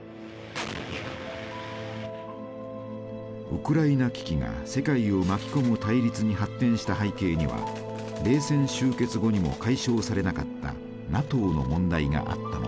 ウクライナ危機が世界を巻き込む対立に発展した背景には冷戦終結後にも解消されなかったＮＡＴＯの問題があったのです。